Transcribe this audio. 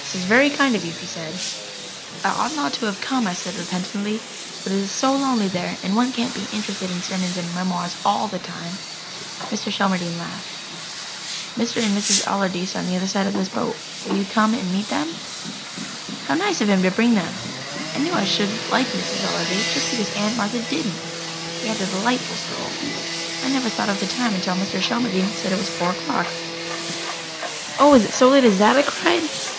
"This is very kind of you," he said. "I ought not to have come," I said repentantly. "But it is so lonely there and one can't be interested in sermons and memoirs all the time." Mr. Shelmardine laughed. "Mr. and Mrs. Allardyce are on the other side of the boat. Will you come and meet them?" How nice of him to bring them! I knew I should like Mrs. Allardyce, just because Aunt Martha didn't. We had a delightful stroll. I never thought of the time until Mr. Shelmardine said it was four o'clock. "Oh, is it so late as that?" I cried.